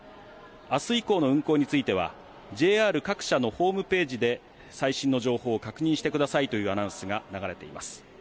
あす以降の運行についてはＪＲ各社のホームページで、最新の情報を確認してくださいというアナウンスが流れています。